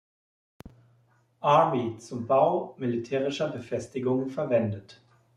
Army, zum Bau militärischer Befestigungen verwendet.